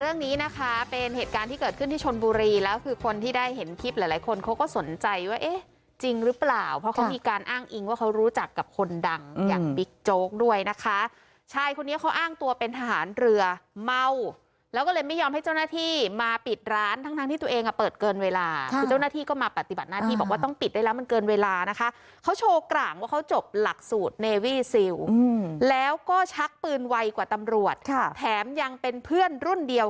เรื่องนี้นะคะเป็นเหตุการณ์ที่เกิดขึ้นที่ชนบุรีแล้วคือคนที่ได้เห็นคลิปหลายคนเขาก็สนใจว่าเอ๊ะจริงหรือเปล่าเพราะเขามีการอ้างอิงว่าเขารู้จักกับคนดังอย่างบิ๊กโจ๊กด้วยนะคะใช่คนนี้เขาอ้างตัวเป็นทหารเรือเมาแล้วก็เลยไม่ยอมให้เจ้าหน้าที่มาปิดร้านทั้งที่ตัวเองเปิดเกินเวลาเจ้าหน้าที่ก็มาปฏิ